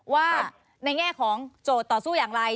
ว่าในแง่ของโจทย์ต่อสู้อย่างไร